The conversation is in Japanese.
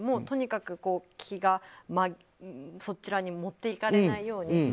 とにかく気がそちらに持っていかれないように。